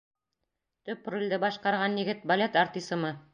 — Төп ролде башҡарған егет балет артисымы?